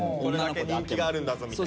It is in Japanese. これだけ人気があるんだぞみたいな。